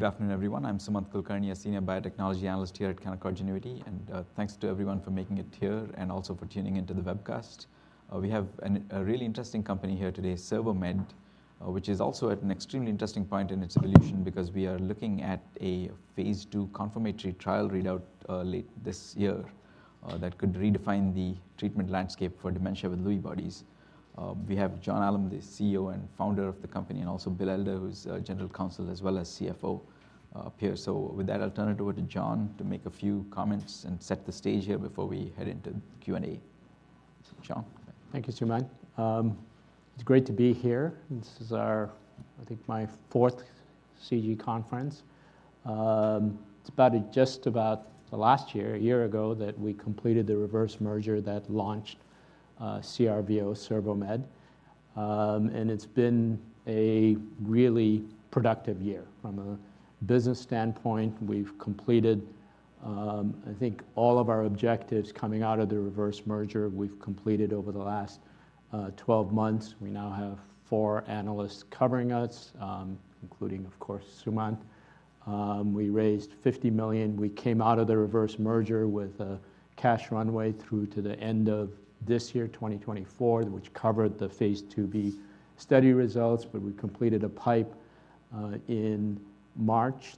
Good afternoon, everyone. I'm Sumanth Kulkarni, a senior biotechnology analyst here at Canaccord Genuity, and thanks to everyone for making it here and also for tuning into the webcast. We have a really interesting company here today, CervoMed, which is also at an extremely interesting point in its evolution because we are looking at a phase II confirmatory trial readout late this year that could redefine the treatment landscape for dementia with Lewy bodies. We have John Alam, the CEO and founder of the company, and also Bill Elder, who's general counsel as well as CFO, here. So with that, I'll turn it over to John to make a few comments and set the stage here before we head into the Q&A. John? Thank you, Sumanth. It's great to be here, and this is our, I think, my fourth CG conference. It's about, just about the last year, a year ago, that we completed the reverse merger that launched, CervoMed. It's been a really productive year. From a business standpoint, we've completed, I think all of our objectives coming out of the reverse merger, we've completed over the last, 12 months. We now have four analysts covering us, including, of course, Sumanth. We raised $50 million. We came out of the reverse merger with a cash runway through to the end of this year, 2024, which covered the phase IIb study results, but we completed a PIPE in March,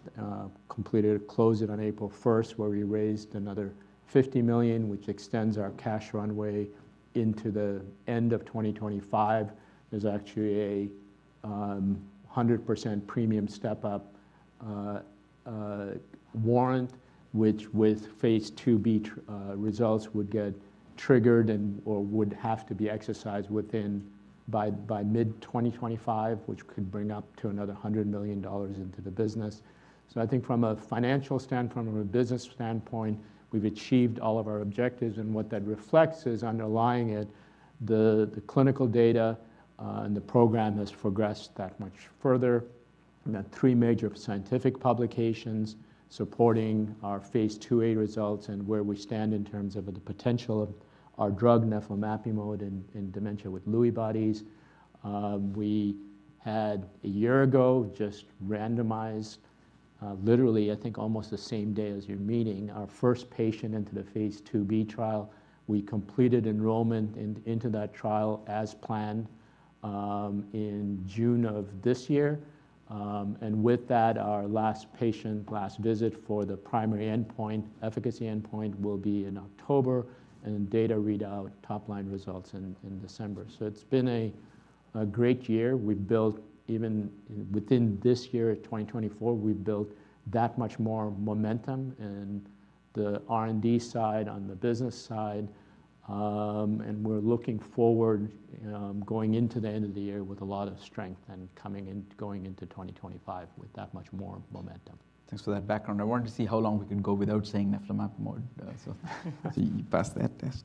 completed or closed it on April 1, where we raised another $50 million, which extends our cash runway into the end of 2025. There's actually a 100% premium step-up warrant, which with phase IIb results would get triggered and/or would have to be exercised within by mid-2025, which could bring up to another $100 million into the business. So I think from a financial standpoint or a business standpoint, we've achieved all of our objectives, and what that reflects is underlying it, the clinical data, and the program has progressed that much further. We've got three major scientific publications supporting our phase IIa results and where we stand in terms of the potential of our drug neflamapimod in dementia with Lewy bodies. We had, a year ago, just randomized, literally, I think, almost the same day as your meeting, our first patient into the phase IIb trial. We completed enrollment into that trial as planned, in June of this year. And with that, our last patient, last visit for the primary endpoint, efficacy endpoint, will be in October, and data readout, top-line results in December. So it's been a great year. We've built, even within this year, 2024, we've built that much more momentum in the R&D side, on the business side. We're looking forward, going into the end of the year with a lot of strength and going into 2025 with that much more momentum. Thanks for that background. I wanted to see how long we can go without saying neflamapimod. You passed that test.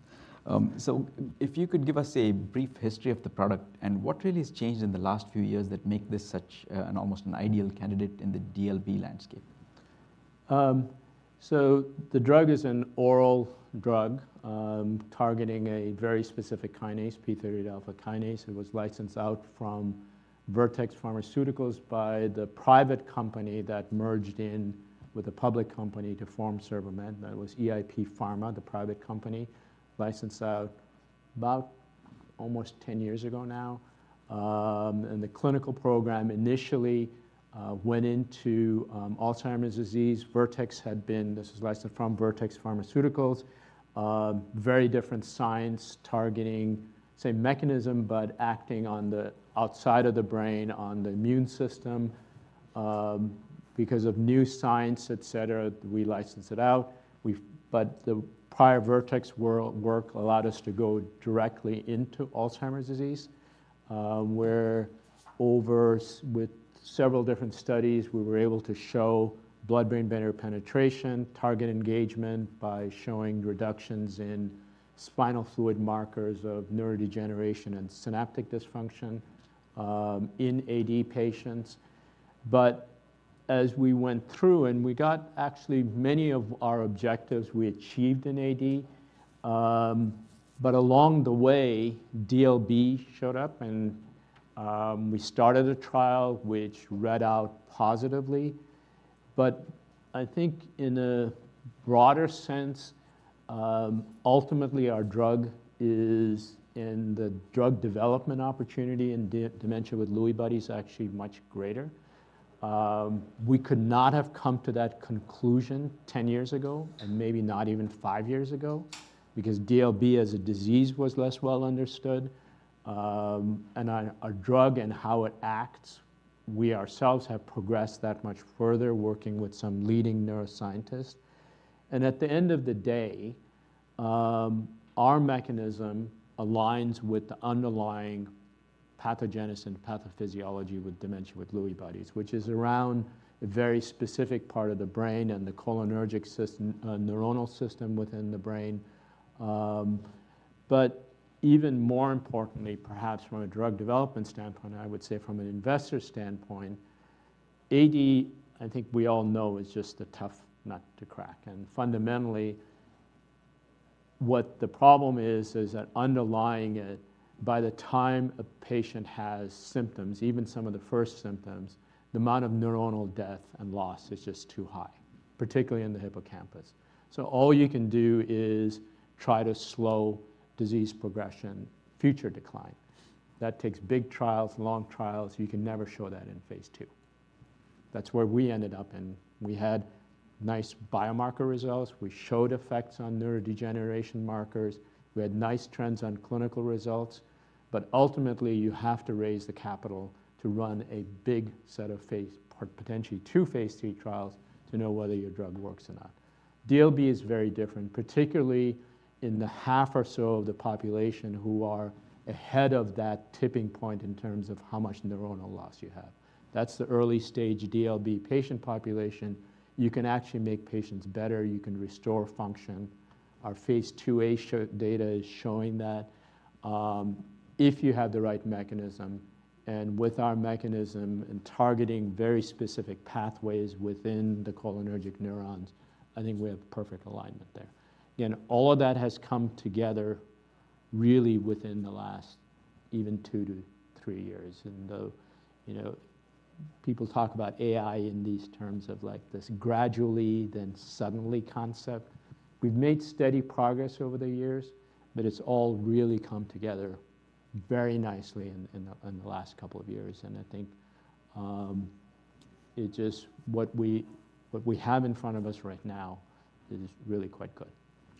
So if you could give us a brief history of the product and what really has changed in the last few years that make this such an almost ideal candidate in the DLB landscape? So the drug is an oral drug, targeting a very specific kinase, p38 alpha kinase. It was licensed out from Vertex Pharmaceuticals by the private company that merged in with a public company to form CervoMed. That was EIP Pharma, the private company, licensed out about almost 10 years ago now. The clinical program initially went into Alzheimer's disease. Vertex had been... This is licensed from Vertex Pharmaceuticals, very different science targeting same mechanism, but acting on the outside of the brain, on the immune system. Because of new science, et cetera, we licensed it out. But the prior Vertex work allowed us to go directly into Alzheimer's disease, where with several different studies, we were able to show blood-brain barrier penetration, target engagement by showing reductions in spinal fluid markers of neurodegeneration and synaptic dysfunction, in AD patients. But as we went through, and we got actually many of our objectives we achieved in AD, but along the way, DLB showed up and, we started a trial, which read out positively. But I think in a broader sense, ultimately, our drug is, and the drug development opportunity in dementia with Lewy Body is actually much greater. We could not have come to that conclusion 10 years ago, and maybe not even 5 years ago, because DLB, as a disease, was less well understood. Our drug and how it acts, we ourselves have progressed that much further, working with some leading neuroscientists. At the end of the day, our mechanism aligns with the underlying pathogenesis and pathophysiology with dementia with Lewy bodies, which is around a very specific part of the brain and the cholinergic neuronal system within the brain. But even more importantly, perhaps from a drug development standpoint, and I would say from an investor standpoint, AD, I think we all know, is just a tough nut to crack. Fundamentally, what the problem is, is that underlying it, by the time a patient has symptoms, even some of the first symptoms, the amount of neuronal death and loss is just too high, particularly in the hippocampus. All you can do is try to slow disease progression, future decline. That takes big trials, long trials. You can never show that in phase II. That's where we ended up, and we had nice biomarker results. We showed effects on neurodegeneration markers. We had nice trends on clinical results, but ultimately, you have to raise the capital to run a big set of phase or potentially two phase III trials to know whether your drug works or not. DLB is very different, particularly in the half or so of the population who are ahead of that tipping point in terms of how much neuronal loss you have. That's the early stage DLB patient population. You can actually make patients better. You can restore function. Our phase IIA data is showing that, if you have the right mechanism, and with our mechanism and targeting very specific pathways within the cholinergic neurons, I think we have perfect alignment there. Again, all of that has come together really within the last even 2-3 years. And though, you know, people talk about AI in these terms of like this gradually then suddenly concept, we've made steady progress over the years, but it's all really come together very nicely in the last couple of years. And I think it just—what we have in front of us right now is really quite good.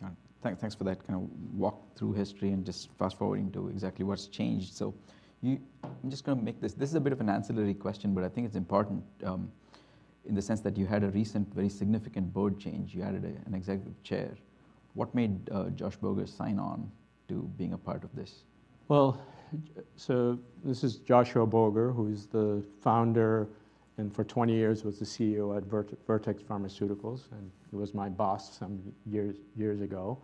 Got it. Thanks for that kind of walk through history and just fast-forwarding to exactly what's changed. So I'm just gonna make this—this is a bit of an ancillary question, but I think it's important, in the sense that you had a recent, very significant board change. You added an executive chair. What made Josh Boger sign on to being a part of this? Well, so this is Joshua Boger, who is the founder, and for 20 years was the CEO at Vertex Pharmaceuticals, and he was my boss some years, years ago.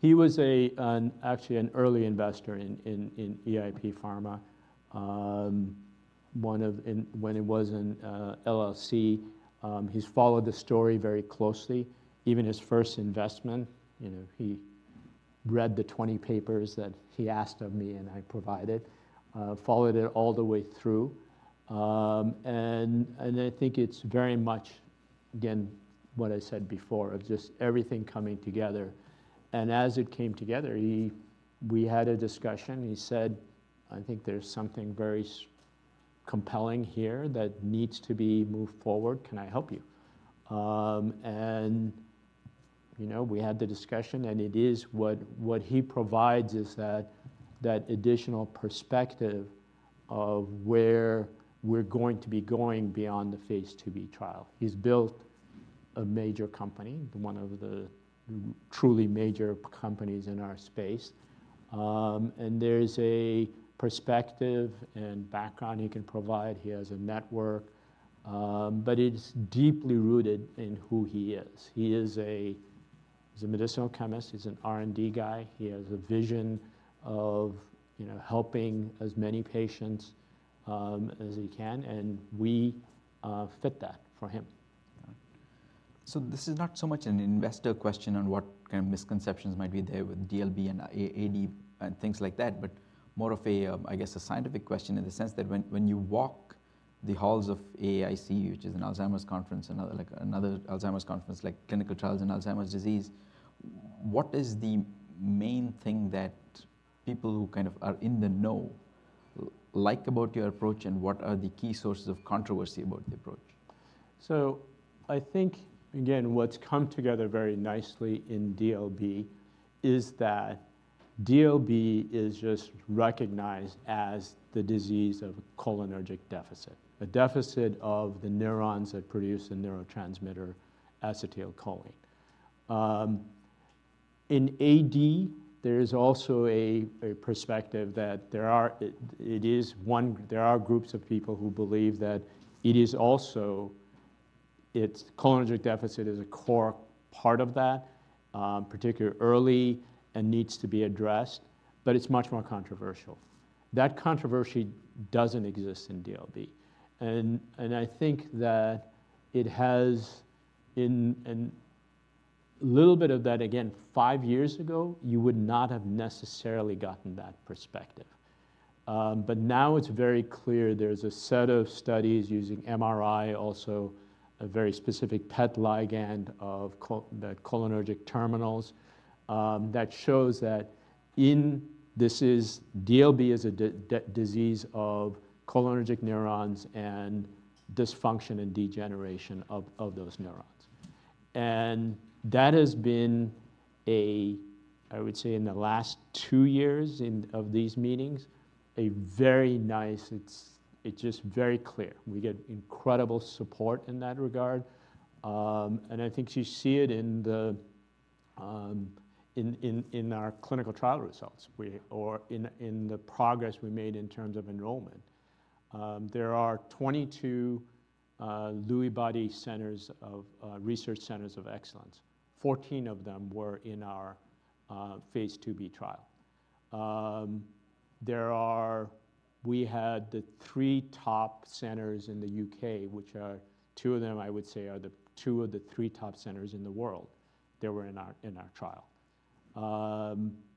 He was actually an early investor in EIP Pharma, and when it was in LLC. He's followed the story very closely, even his first investment, you know, he read the 20 papers that he asked of me, and I provided, followed it all the way through. And I think it's very much, again, what I said before, of just everything coming together, and as it came together, he, we had a discussion, and he said: "I think there's something very compelling here that needs to be moved forward. Can I help you?" You know, we had the discussion, and it is what he provides is that additional perspective of where we're going to be going beyond the phase IIb trial. He's built a major company, one of the truly major companies in our space. And there's a perspective and background he can provide. He has a network, but it's deeply rooted in who he is. He is a medicinal chemist, he's an R&D guy, he has a vision of, you know, helping as many patients as he can, and we fit that for him. So this is not so much an investor question on what kind of misconceptions might be there with DLB and AD, and things like that, but more of a, I guess, a scientific question in the sense that when you walk the halls of AAIC, which is an Alzheimer's conference, another, like another Alzheimer's conference, like clinical trials in Alzheimer's disease, what is the main thing that people who kind of are in the know like about your approach, and what are the key sources of controversy about the approach? So I think, again, what's come together very nicely in DLB is that DLB is just recognized as the disease of cholinergic deficit, a deficit of the neurons that produce the neurotransmitter acetylcholine. In AD, there is also a perspective that there are groups of people who believe that its cholinergic deficit is a core part of that, particularly early and needs to be addressed, but it's much more controversial. That controversy doesn't exist in DLB, and I think that a little bit of that, again, five years ago, you would not have necessarily gotten that perspective. But now it's very clear there's a set of studies using MRI, also a very specific PET ligand of the cholinergic terminals, that shows that in DLB is a disease of cholinergic neurons and dysfunction and degeneration of those neurons. And that has been, I would say, in the last two years of these meetings, it's just very clear. We get incredible support in that regard, and I think you see it in the in our clinical trial results or in the progress we made in terms of enrollment. There are 22 Lewy body centers of research centers of excellence. 14 of them were in our phase IIb trial. There are, we had the three top centers in the UK, which are, two of them, I would say, are the two of the three top centers in the world. They were in our trial.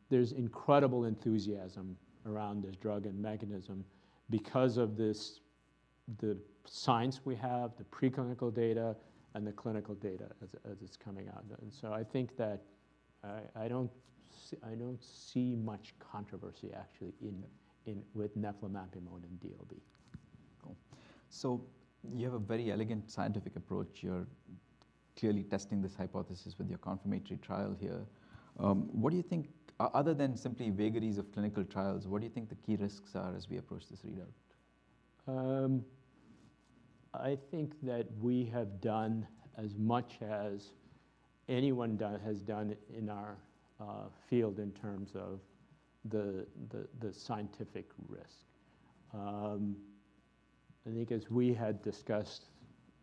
There's incredible enthusiasm around this drug and mechanism because of the science we have, the preclinical data, and the clinical data as it's coming out. And so I think that I don't see much controversy actually in with neflamapimod in DLB. Cool. So you have a very elegant scientific approach. You're clearly testing this hypothesis with your confirmatory trial here. What do you think, other than simply vagaries of clinical trials, what do you think the key risks are as we approach this readout? I think that we have done as much as anyone has done in our field in terms of the scientific risk. I think as we had discussed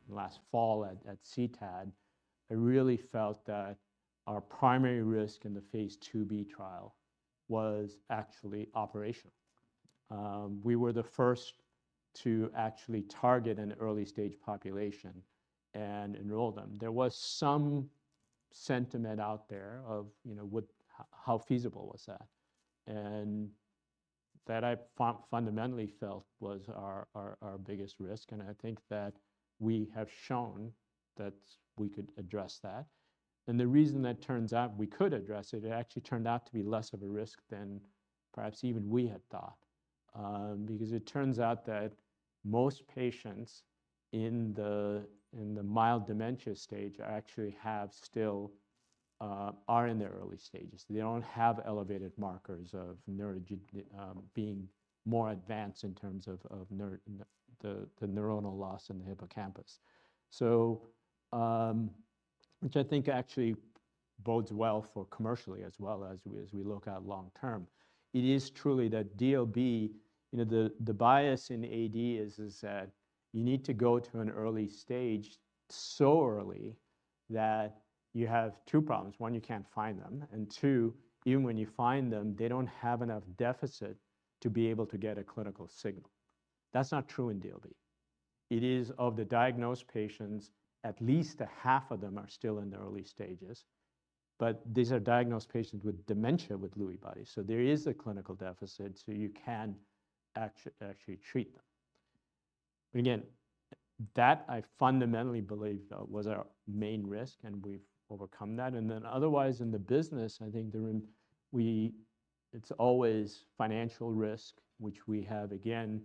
last fall at CTAD, I really felt that our primary risk in the phase IIB trial was actually operational. We were the first to actually target an early-stage population and enroll them. There was some sentiment out there of, you know, what, how feasible was that? And that I fundamentally felt was our biggest risk, and I think that we have shown that we could address that. And the reason that turns out we could address it, it actually turned out to be less of a risk than perhaps even we had thought. Because it turns out that most patients in the mild dementia stage actually still are in the early stages. They don't have elevated markers of neurodegeneration being more advanced in terms of the neuronal loss in the hippocampus. So, which I think actually bodes well for commercially as well as we look out long term. It is truly that DLB, you know, the bias in AD is that you need to go to an early stage so early that you have two problems: one, you can't find them, and two, even when you find them, they don't have enough deficit to be able to get a clinical signal. That's not true in DLB. It is, of the diagnosed patients, at least a half of them are still in the early stages, but these are diagnosed patients with dementia with Lewy bodies, so there is a clinical deficit, so you can actually treat them. Again, that I fundamentally believe, though, was our main risk, and we've overcome that. And then, otherwise, in the business, I think during... it's always financial risk, which we have, again,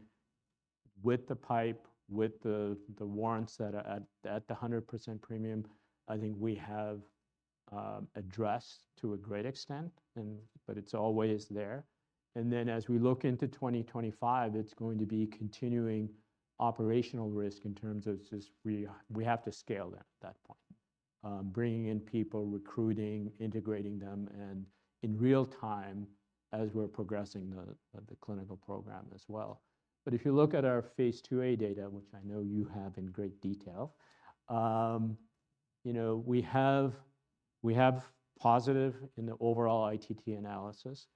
with the PIPE, with the warrants that are at a 100% premium, I think we have addressed to a great extent, and but it's always there. And then, as we look into 2025, it's going to be continuing operational risk in terms of just we have to scale at that point. Bringing in people, recruiting, integrating them, and in real time, as we're progressing the clinical program as well. But if you look at our phase IIA data, which I know you have in great detail, you know, we have positive in the overall ITT analysis.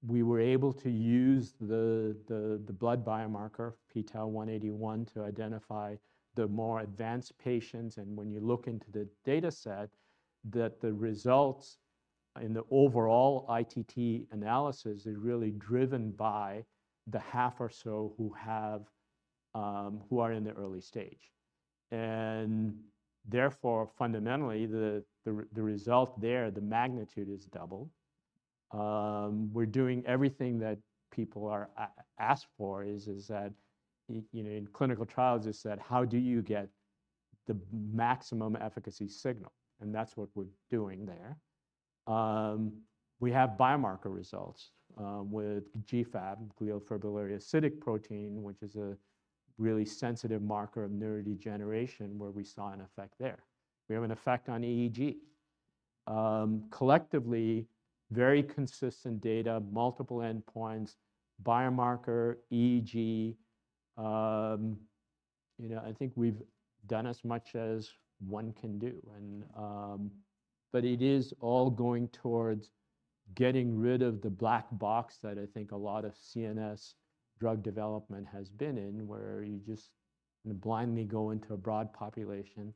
We were able to use the blood biomarker, p-tau181, to identify the more advanced patients, and when you look into the data set, that the results in the overall ITT analysis is really driven by the half or so who are in the early stage. And therefore, fundamentally, the result there, the magnitude is double. We're doing everything that people are asking for is, that, you know, in clinical trials, they said, "How do you get the maximum efficacy signal?" And that's what we're doing there. We have biomarker results, with GFAP, glial fibrillary acidic protein, which is a really sensitive marker of neurodegeneration, where we saw an effect there. We have an effect on EEG. Collectively, very consistent data, multiple endpoints, biomarker, EEG. You know, I think we've done as much as one can do, and... But it is all going towards getting rid of the black box that I think a lot of CNS drug development has been in, where you just blindly go into a broad population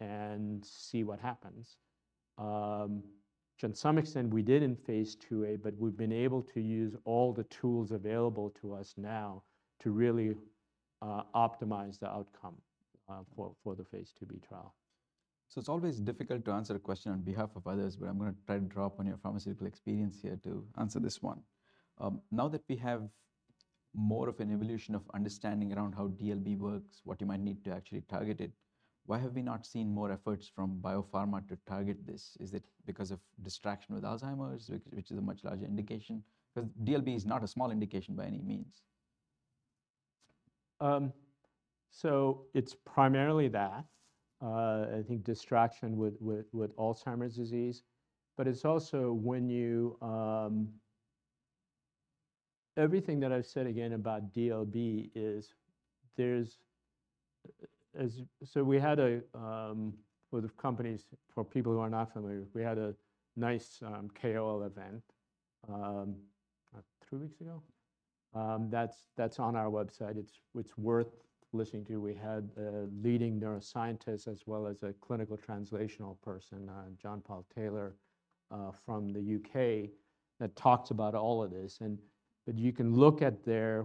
and see what happens. Which to some extent, we did in phase IIA, but we've been able to use all the tools available to us now to really, optimize the outcome, for, for the phase IIB trial. So it's always difficult to answer a question on behalf of others, but I'm gonna try to draw up on your pharmaceutical experience here to answer this one. Now that we have more of an evolution of understanding around how DLB works, what you might need to actually target it, why have we not seen more efforts from biopharma to target this? Is it because of distraction with Alzheimer's, which, which is a much larger indication? 'Cause DLB is not a small indication by any means. So it's primarily that, I think distinction with Alzheimer's disease. But it's also everything that I've said again about DLB. So for people who are not familiar with the company, we had a nice KOL event about three weeks ago. That's on our website. It's worth listening to. We had a leading neuroscientist as well as a clinical translational person, John-Paul Taylor from the U.K., that talks about all of this, and but you can look at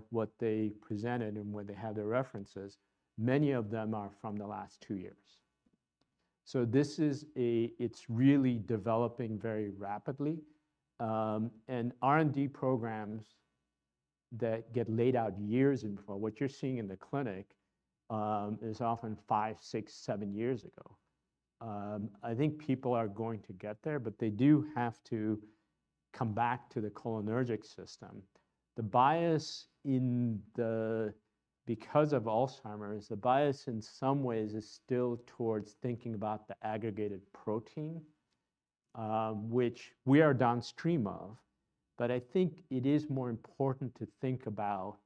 what they presented and where they had their references. Many of them are from the last two years. So this is. It's really developing very rapidly, and R&D programs that get laid out years in advance. What you're seeing in the clinic is often 5, 6, 7 years ago. I think people are going to get there, but they do have to come back to the cholinergic system. The bias... Because of Alzheimer's, the bias in some ways is still towards thinking about the aggregated protein, which we are downstream of, but I think it is more important to think about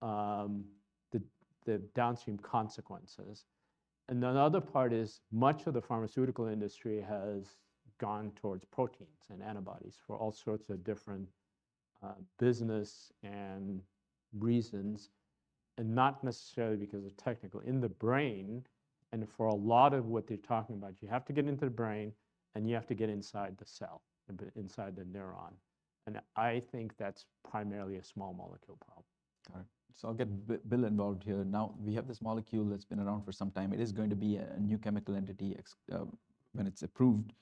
the downstream consequences. The other part is, much of the pharmaceutical industry has gone towards proteins and antibodies for all sorts of different business and reasons, and not necessarily because of technical. In the brain, and for a lot of what they're talking about, you have to get into the brain, and you have to get inside the cell, inside the neuron, and I think that's primarily a small molecule problem. Got it. So I'll get Bill involved here. Now, we have this molecule that's been around for some time. It is going to be a new chemical entity ex when it's approved,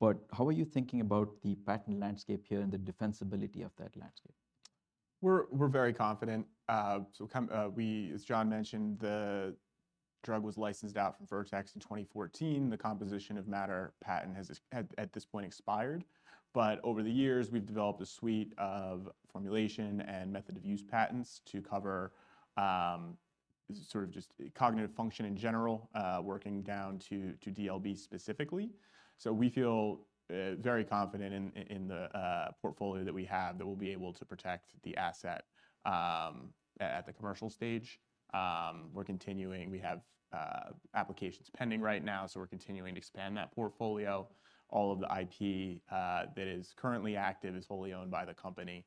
but how are you thinking about the patent landscape here and the defensibility of that landscape? We're very confident. As John mentioned, the drug was licensed out from Vertex in 2014. The composition of matter patent has expired. It had at this point expired, but over the years, we've developed a suite of formulation and method of use patents to cover sort of just cognitive function in general, working down to DLB specifically. So we feel very confident in the portfolio that we have, that we'll be able to protect the asset at the commercial stage. We're continuing. We have applications pending right now, so we're continuing to expand that portfolio. All of the IP that is currently active is wholly owned by the company,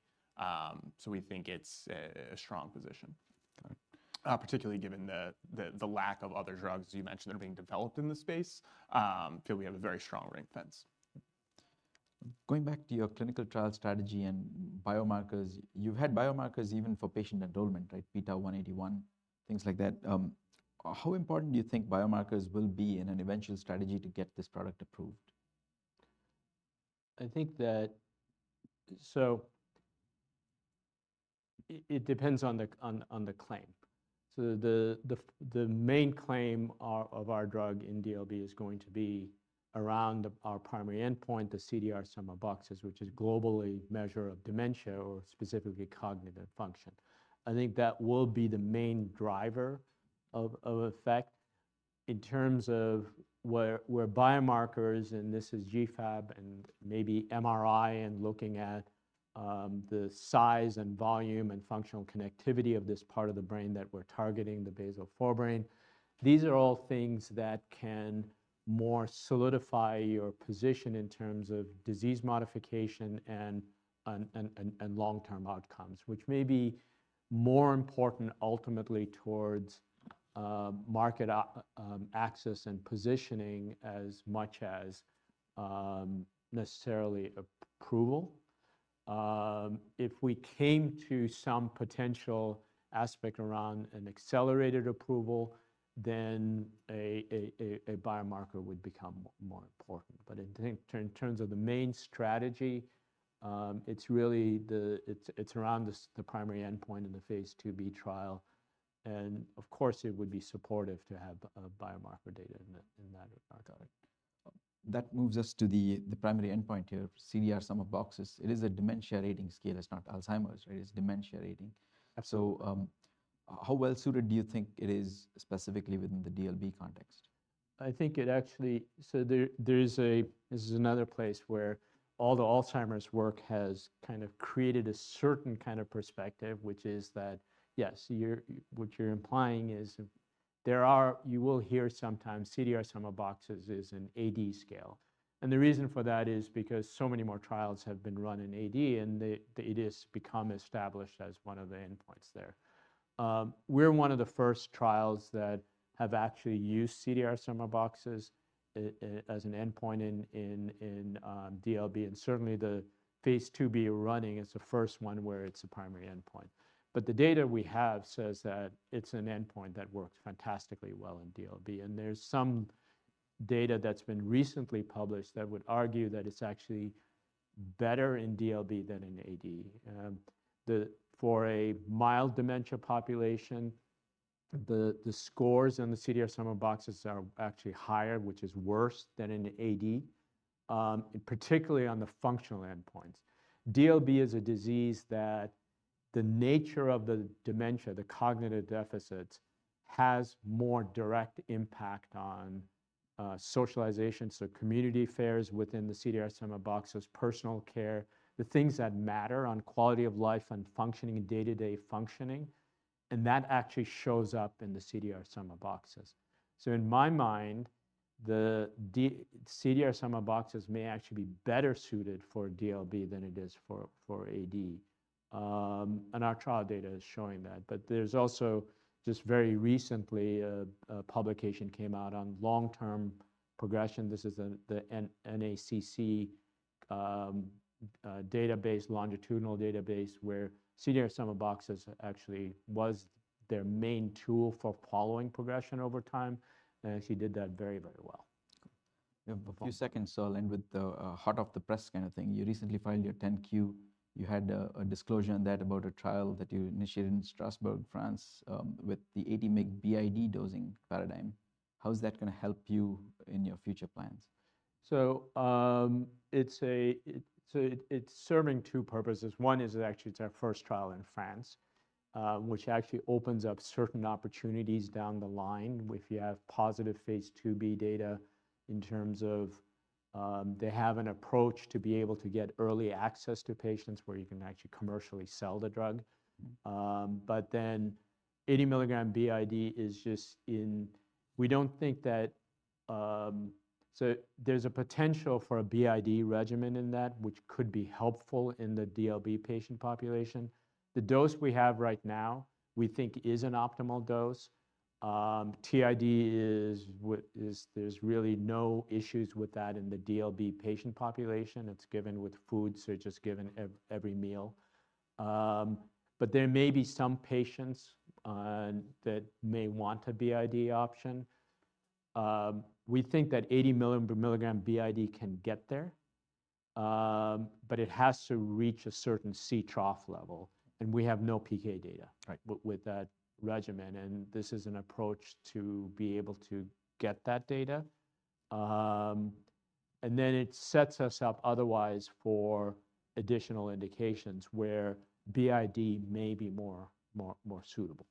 so we think it's a strong position. Got it. Particularly, given the lack of other drugs you mentioned are being developed in this space, feel we have a very strong ring fence. Going back to your clinical trial strategy and biomarkers, you've had biomarkers even for patient enrollment, like p-tau181, things like that. How important do you think biomarkers will be in an eventual strategy to get this product approved? I think that... So it depends on the claim. So the main claim of our drug in DLB is going to be around our primary endpoint, the CDR Sum of Boxes, which is a global measure of dementia or specifically cognitive function. I think that will be the main driver of effect in terms of biomarkers, and this is GFAP and maybe MRI and looking at the size and volume and functional connectivity of this part of the brain that we're targeting, the basal forebrain. These are all things that can more solidify your position in terms of disease modification and long-term outcomes, which may be more important ultimately towards market access and positioning as much as necessarily approval. If we came to some potential aspect around an accelerated approval, then a biomarker would become more important. But in terms of the main strategy, it's really the primary endpoint in the phase IIB trial, and of course, it would be supportive to have biomarker data in that regard. Got it. That moves us to the primary endpoint here, CDR Sum of Boxes. It is a dementia rating scale. It's not Alzheimer's, right? It's dementia rating. Absolutely. How well suited do you think it is specifically within the DLB context? I think it actually. So there is a—this is another place where all the Alzheimer's work has kind of created a certain kind of perspective, which is that, yes, what you're implying is there are—you will hear sometimes CDR Sum of Boxes is an AD scale, and the reason for that is because so many more trials have been run in AD, and it has become established as one of the endpoints there. We're one of the first trials that have actually used CDR Sum of Boxes as an endpoint in DLB, and certainly, the phase IIB we're running is the first one where it's a primary endpoint. But the data we have says that it's an endpoint that works fantastically well in DLB, and there's some data that's been recently published that would argue that it's actually better in DLB than in AD. For a mild dementia population, the scores on the CDR Sum of Boxes are actually higher, which is worse than in AD, and particularly on the functional endpoints. DLB is a disease. The nature of the dementia, the cognitive deficits, has more direct impact on socialization, so community affairs within the CDR Sum of Boxes, personal care, the things that matter on quality of life and functioning and day-to-day functioning, and that actually shows up in the CDR Sum of Boxes. So in my mind, the CDR Sum of Boxes may actually be better suited for DLB than it is for AD. And our trial data is showing that. But there's also, just very recently, a publication came out on long-term progression. This is the NACC longitudinal database, where CDR Sum of Boxes actually was their main tool for following progression over time, and actually did that very, very well. We have a few seconds, so I'll end with the hot-off-the-press kind of thing. You recently filed your 10-Q. You had a disclosure on that about a trial that you initiated in Strasbourg, France, with the 80 mg BID dosing paradigm. How is that gonna help you in your future plans? So, it's serving two purposes. One is that actually it's our first trial in France, which actually opens up certain opportunities down the line if you have positive phase IIb data in terms of, they have an approach to be able to get early access to patients where you can actually commercially sell the drug. Mm-hmm. But then 80 milligram BID is just in. We don't think that. So there's a potential for a BID regimen in that, which could be helpful in the DLB patient population. The dose we have right now, we think is an optimal dose. TID is. There's really no issues with that in the DLB patient population. It's given with food, so just given every meal. But there may be some patients that may want a BID option. We think that 80 milligram BID can get there, but it has to reach a certain C-trough level, and we have no PK data. Right With that regimen, and this is an approach to be able to get that data. And then it sets us up otherwise for additional indications where BID may be more suitable.